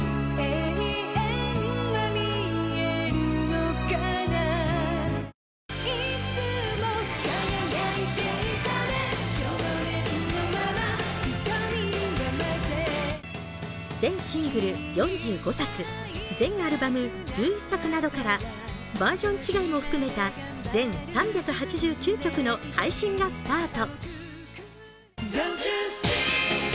「揺れる想い」をはじめ全シングル４５作、全アルバム１１作などからバージョン違いも含めた全３８９曲の配信がスタート。